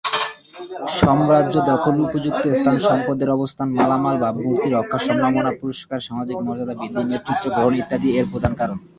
সাম্রাজ্য দখল, উপযুক্ত স্থান, সম্পদের অবস্থান, মালামাল, ভাবমূর্তি রক্ষা, সম্মাননা, পুরস্কার, সামাজিক মর্যাদা বৃদ্ধি, নেতৃত্ব গ্রহণ ইত্যাদি এর প্রধান কারণ।